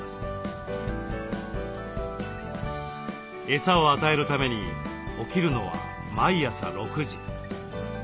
エサを与えるために起きるのは毎朝６時。